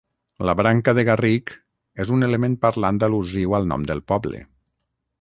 La branca de garric és un element parlant al·lusiu al nom del poble.